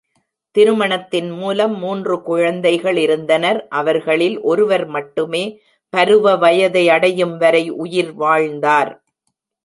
திருமணத்தின் மூலம் மூன்று குழந்தைகள் இருந்தனர், அவர்களில் ஒருவர் மட்டுமே பருவ வயதை அடையும் வரை உயிர் வாழ்ந்தார்.